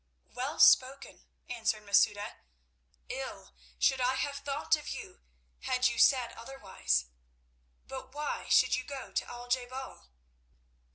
"Well spoken," answered Masouda. "Ill should I have thought of you had you said otherwise. But why would you go to Al je bal?"